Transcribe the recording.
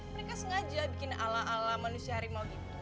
mereka sengaja bikin ala ala manusia harimau gitu